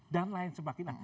dan lain sebagainya